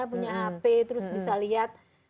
punya hp terus bisa lihat